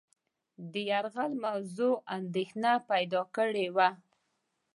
د یرغل موضوع اندېښنه پیدا کړې وه.